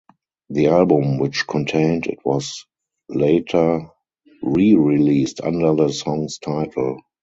The album which contained it was later re-released under the song's title.